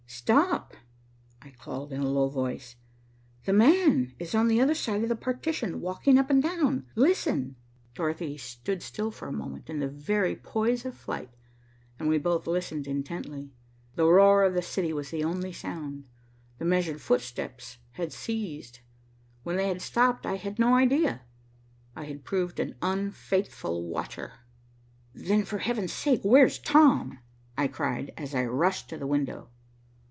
"Stop," I called in a low voice. "'The man' is on the other side of the partition walking up and down. Listen!" Dorothy stood still for a moment in the very poise of flight, and we both listened intently. The roar of the city was the only sound. The measured footsteps had ceased. When they had stopped I had no idea. I had proved an unfaithful watcher. "Then, for heaven's sake, where's Tom?" I cried, as I rushed to the window.